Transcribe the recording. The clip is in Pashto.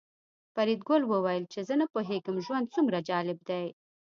فریدګل وویل چې زه نه پوهېږم ژوند څومره جالب دی